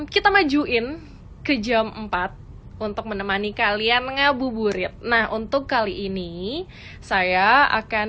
kita majuin ke jam empat untuk menemani kalian ngabuburit nah untuk kali ini saya akan